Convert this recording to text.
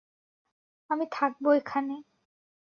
আমি থাকবো এখানে।